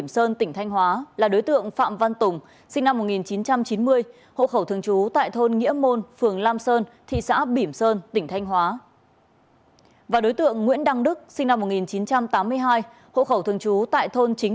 xin chào và hẹn gặp lại